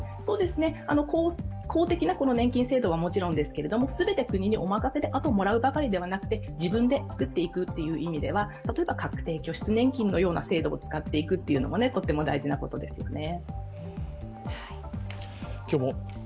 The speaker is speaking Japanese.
公的な年金制度はもちろんですけれども、全て国にお任せで、あともらうばかりでなくて自分で作っていくという意味では例えば確定拠出年金のような制度を使っていくというのもとても大事なことですね。